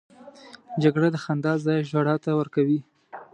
جګړه د خندا ځای ژړا ته ورکوي